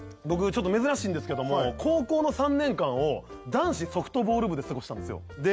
僕ちょっと珍しいんですけども高校の３年間を男子ソフトボール部で過ごしたんですよ